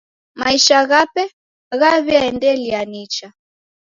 Maisha ghape ghaw'iaendelia nicha.